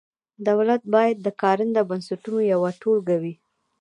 دولت باید د کارنده بنسټونو یوه ټولګه وي.